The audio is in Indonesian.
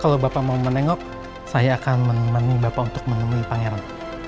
kalau bapak mau menengok saya akan menemani bapak untuk menemui pangeran